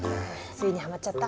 ついにハマっちゃった？